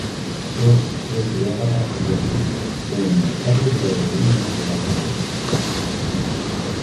Ted fue creada para competir con el mercado de aerolíneas de bajo coste.